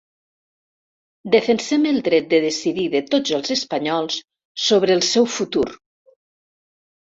Defensem el dret de decidir de tots els espanyols sobre el seu futur.